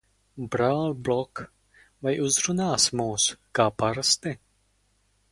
Brāli Blok, vai uzrunāsi mūs, kā parasti?